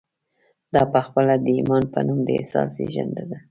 دا پخپله د ايمان په نوم د احساس زېږنده ده.